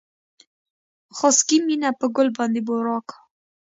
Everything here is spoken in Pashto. خاصګي مينه په ګل باندې بورا کا